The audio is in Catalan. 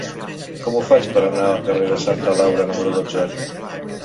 Com ho faig per anar al carrer de Santa Laura número dotze?